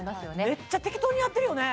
メッチャ適当にやってるよね？